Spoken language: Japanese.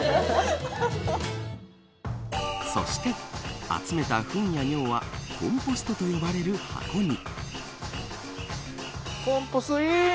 そして、集めた糞や尿はコンポストと呼ばれる箱に。